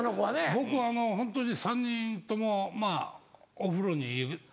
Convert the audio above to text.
僕ホントに３人ともお風呂に入れたり。